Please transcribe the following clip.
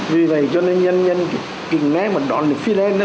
vì vậy cho nên nhân nhân kinh ngác mà đón lịch fidel đó